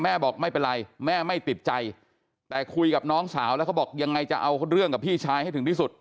บอกไม่เป็นไรแม่ไม่ติดใจแต่คุยกับน้องสาวแล้วเขาบอกยังไงจะเอาเรื่องกับพี่ชายให้ถึงที่สุด